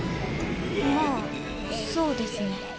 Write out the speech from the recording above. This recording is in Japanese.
まあそうですね。